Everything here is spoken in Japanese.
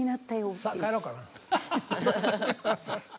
さっ帰ろうかな。